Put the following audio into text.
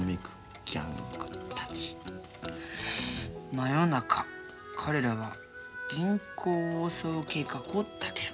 真夜中彼らは銀行を襲う計画を立てる。